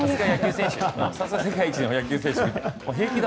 さすが世界一の野球選手。